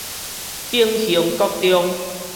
景興國中